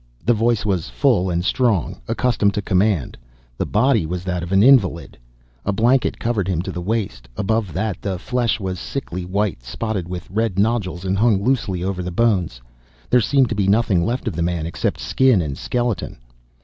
The voice was full and strong, accustomed to command. The body was that of an invalid. A blanket covered him to the waist, above that the flesh was sickly white, spotted with red nodules, and hung loosely over the bones. There seemed to be nothing left of the man except skin and skeleton.